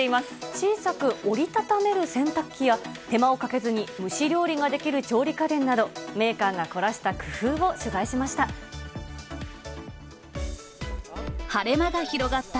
小さく折り畳める洗濯機や、手間をかけずに蒸し料理ができる調理家電など、メーカーが凝らした工夫を取材しました。